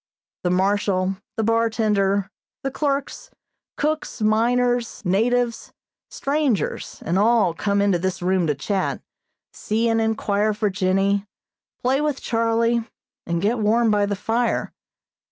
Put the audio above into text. The Marshal, the bartender, the clerks, cooks, miners, natives, strangers and all come into this room to chat, see and inquire for Jennie, play with Charlie, and get warm by the fire.